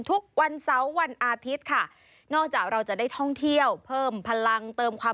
ทุกวันเสาวันอาทิตย์ค่ะ